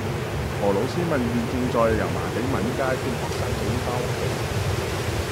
何老師問現正在油麻地閩街勸學生早啲返屋企